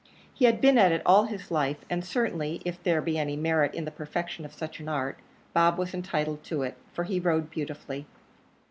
He had been at it all his life and certainly, if there be any merit in the perfection of such an art, Bob was entitled to it, for he rode beautifully.